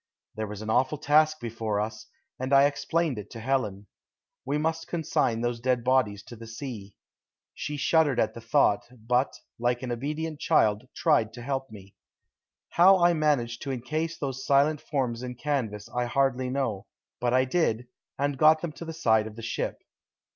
There was an awful task before us, and I explained it to Helen. We must consign those dead bodies to the sea. She shuddered at the thought, but, like an obedient child, tried to help me. How I managed to encase those silent forms in canvas I hardly know, but I did, and got them to the side of the ship.